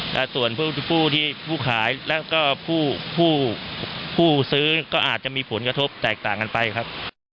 แต่ส่วนผู้ที่ผู้ขายแล้วก็ผู้ซื้อก็อาจจะมีผลกระทบแตกต่างกันไปครับ